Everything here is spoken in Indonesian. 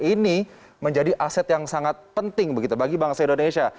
ini menjadi aset yang sangat penting begitu bagi bangsa indonesia